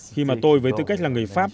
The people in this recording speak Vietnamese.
khi mà tôi với tư cách là người pháp